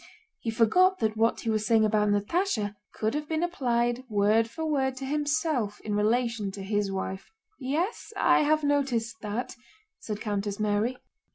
He forgot that what he was saying about Natásha could have been applied word for word to himself in relation to his wife. "Yes, I have noticed that," said Countess Mary.